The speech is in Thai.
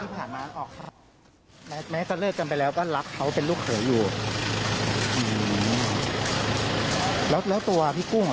ส่งให้ลูกกิน